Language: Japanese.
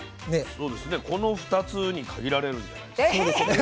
この２つに限られるんじゃないですか。